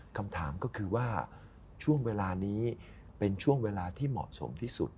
คำถามก็คือว่าช่วงเวลานี้เป็นช่วงเวลาที่เหมาะสมที่สุด